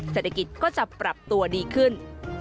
เศรษฐกิจก็จะปรับตัวดีขึ้น